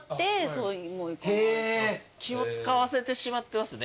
気を使わせてしまってますね